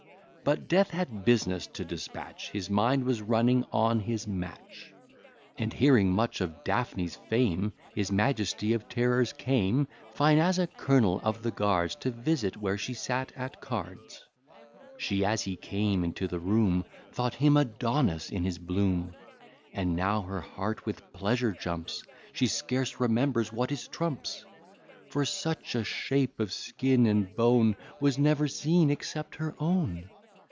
But Death had business to dispatch; His mind was running on his match. And hearing much of Daphne's fame, His majesty of terrors came, Fine as a colonel of the guards, To visit where she sat at cards; She, as he came into the room, Thought him Adonis in his bloom. And now her heart with pleasure jumps, She scarce remembers what is trumps; For such a shape of skin and bone Was never seen except her own.